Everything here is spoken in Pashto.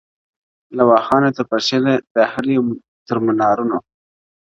• له واخانه تر پنجشیره د هري تر منارونو -